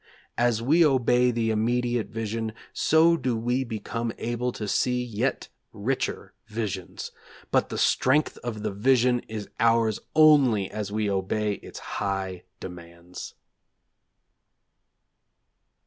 As we obey the immediate vision, so do we become able to see yet richer visions: but the strength of the vision is ours only as we obey its high demands.